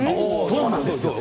そうなんですよ。